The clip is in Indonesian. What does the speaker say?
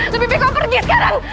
lebih baik kau pergi sekarang